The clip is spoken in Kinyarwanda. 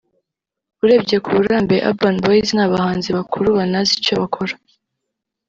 urebye ku burambe Urban Boyz ni abahanzi bakuru banazi icyo bakora